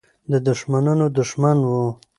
د دښمنانو دښمن وو.